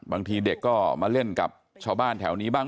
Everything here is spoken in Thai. บางทีเด็กก็มาเล่นกับชาวบ้านแถวนี้บ้าง